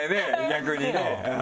逆にね。